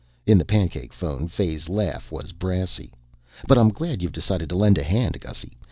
In the pancake phone Fay's laugh was brassy. "But I'm glad you've decided to lend a hand, Gussy.